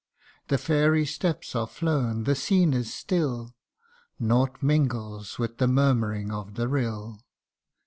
The fairy steps are flown the scene is still Nought mingles with the murmuring of the rill.